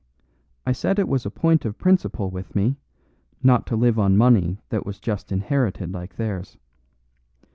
I said it was a point of principle with me not to live on money that was just inherited like theirs.